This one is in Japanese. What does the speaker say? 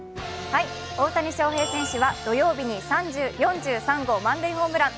大谷翔平選手は土曜日に４３号満塁ホームラン。